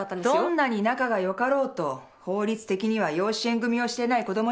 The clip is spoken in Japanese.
どんなに仲がよかろうと法律的には養子縁組みをしてない子供には相続権はないの。